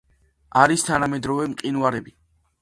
არის თანამედროვე მყინვარები.